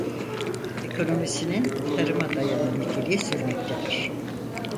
Ekonomisinin tarıma dayalı niteliği sürmektedir.